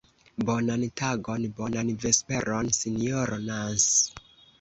Bonan tagon, bonan vesperon, Sinjoro Nans!